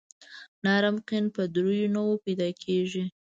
نرم قیر په دریو نوعو پیدا کیږي